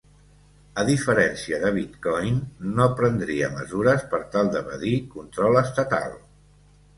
A diferència de Bitcoin, no prendria mesures per tal d'evadir control estatal.